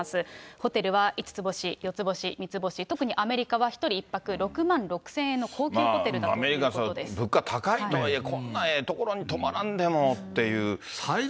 ホテルは５つ星、４つ星、３つ星、特にアメリカは１人１泊６万６０００円の高級ホテルだということアメリカそれ、物価高いとはいえ、こんなええ所に泊まらんでもっていう。